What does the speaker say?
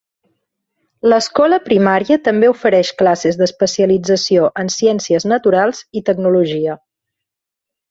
L'escola primària també ofereix classes d'especialització en Ciències Naturals i Tecnologia.